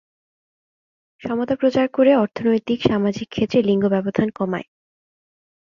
সমতা প্রচার করে, অর্থনৈতিক, সামাজিক ক্ষেত্রে লিঙ্গ ব্যবধান কমায়।